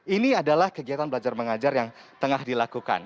ini adalah kegiatan belajar mengajar yang tengah dilakukan